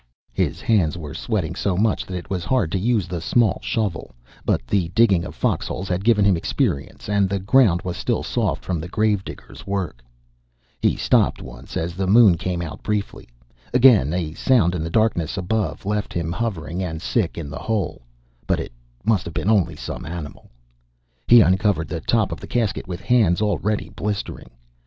His hands were sweating so much that it was hard to use the small shovel, but the digging of foxholes had given him experience and the ground was still soft from the gravediggers' work. He stopped once, as the Moon came out briefly. Again, a sound in the darkness above left him hovering and sick in the hole. But it must have been only some animal. He uncovered the top of the casket with hands already blistering.